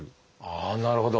ああなるほど。